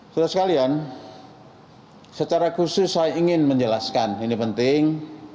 sudah sekalian secara khusus saya ingin menjelaskan ini penting